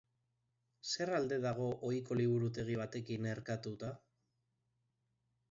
Zer alde dago ohiko liburutegi batekin erkatuta?